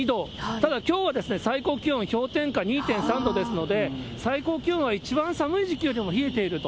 ただ、きょうは最高気温氷点下２．３度ですので、最高気温は一番寒い時期よりも冷えていると。